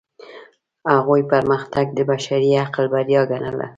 هغوی پرمختګ د بشري عقل بریا ګڼله.